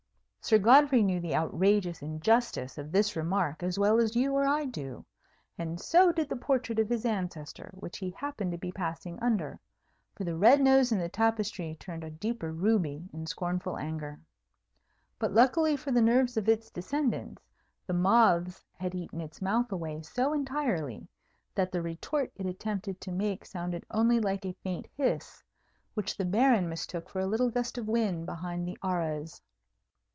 Sir Godfrey knew the outrageous injustice of this remark as well as you or I do; and so did the portrait of his ancestor, which he happened to be passing under, for the red nose in the tapestry turned a deeper ruby in scornful anger. But, luckily for the nerves of its descendant, the moths had eaten its mouth away so entirely, that the retort it attempted to make sounded only like a faint hiss, which the Baron mistook for a little gust of wind behind the arras.